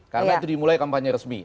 karena itu dimulai kampanye resmi